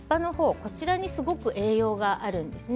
こちらに栄養があるんですね。